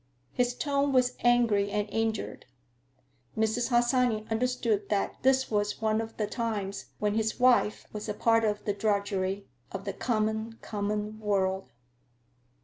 His tone was angry and injured. Mrs. Harsanyi understood that this was one of the times when his wife was a part of the drudgery, of the "common, common world."